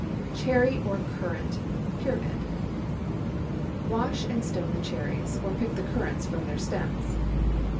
CHERRY OR CURRANT PYRAMID. ✠ Wash and stone the cherries, or pick the currants from their stems.